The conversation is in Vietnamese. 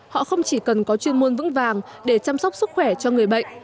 họ không chỉ cần có chuyên môn vững vàng để chăm sóc sức khỏe cho người bệnh